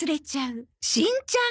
しんちゃん。